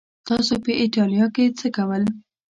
تاسو په ایټالیا کې څه کول؟